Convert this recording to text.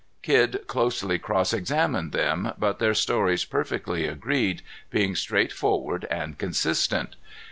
Kidd closely cross examined them, but their stories perfectly agreed, being straightforward and consistent.